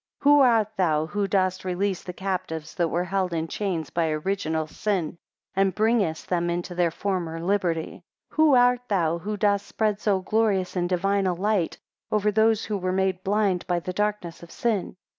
7 Who art thou, who dost release the captives that were held in chains by original sin, and bringest them into their former liberty? 8 Who art thou, who dost spread so glorious and divine a light over those who were made blind by the darkness of sin?